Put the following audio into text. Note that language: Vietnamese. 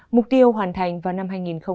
mục tiêu hoàn thành vào năm hai nghìn hai mươi